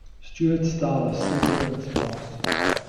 Stuart's style is simple and sparse.